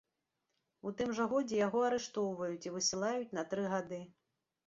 У тым жа годзе яго арыштоўваюць і высылаюць на тры гады.